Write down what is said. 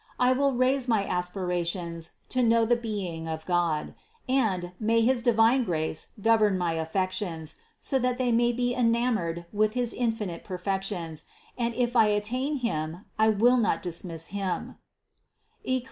I will raise my aspirations to know the being of God, and, may his divine grace govern my affections, so that they may become enamored with his infinite perfections and if I attain Him, I will not dismiss Him (Eccli.